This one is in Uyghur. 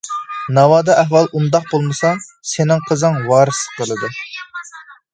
ناۋادا ئەھۋال ئۇنداق بولمىسا، سېنىڭ قىزىڭ ۋارىسلىق قىلىدۇ.